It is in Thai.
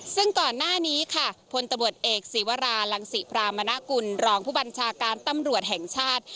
ซึ่งก่อนหน้านี้ค่ะพลตำรวจเอกศีวรารังศิพรามณกุลรองผู้บัญชาการตำรวจแห่งชาติ